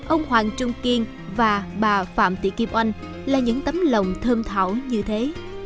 ông hoàng trung kiên và bà phạm thị kim oanh là những tấm lòng thơm thảo như thế